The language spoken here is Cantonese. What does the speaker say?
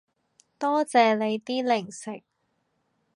多謝你啲零食